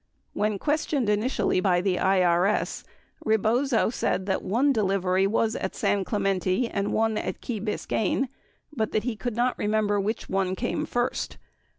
When questioned initially by the IRS, Rebozo said that one delivery was at San Clemente and one at Key Biscayne, but that he could not remember which came first.